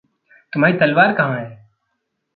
तुम्हारी तलवार कहाँ है?